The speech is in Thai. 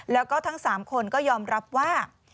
แล้วก็ทั้ง๓คนก็ยอมรับว่า